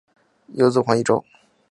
有子黄以周。